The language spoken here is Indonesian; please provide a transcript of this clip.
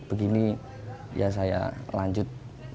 begini ya saya lanjut